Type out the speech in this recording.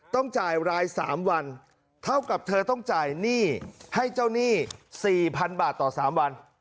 ต้องจ่ายราย๓วันเท่ากับเธอต้องจ่ายหนี้ให้เจ้าหนี้๔๐๐๐บาทต่อ๓วัน